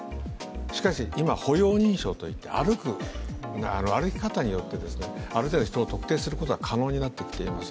しかし、今、歩容認証といって歩く、ある程度、人を特定することは可能になってきています。